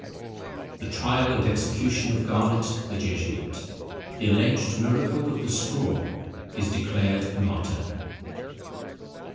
THE TRIAL AND EXECUTION OF GARNET, THE JESUIT—THE ALLEGED MIRACLE OF THE STRAW—IS DECLARED A MARTYR.